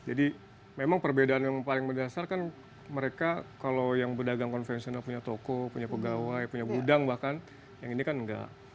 jadi memang perbedaan yang paling berdasarkan mereka kalau yang berdagang konvensional punya toko punya pegawai punya gudang bahkan yang ini kan enggak